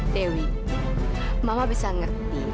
dewi mama bisa ngerti